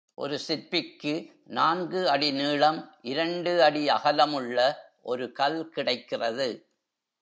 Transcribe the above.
ஒரு சிற்பிக்கு நான்கு அடி நீளம், இரண்டு அடி அகலம் உள்ள ஒரு கல் கிடைக்கிறது.